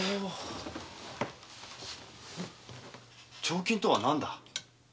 「彫金」とは何だ？